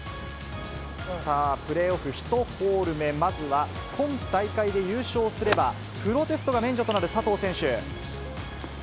さあ、プレーオフ１ホール目、まずは今大会で優勝すれば、プロテストが免除となる佐藤選手。